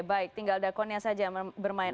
baik tinggal dakonnya saja bermain